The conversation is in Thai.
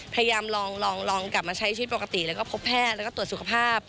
พยายามลองกลับมาใช้ชีวิตปกติแล้วก็พบแพทย์แล้วก็ตรวจสุขภาพ